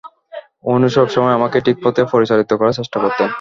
উনি সবসময় আমাকে ঠিক পথে পরিচালিত করার চেষ্টা করতেন।